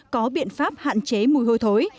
có biện pháp hạn chế mùi hôi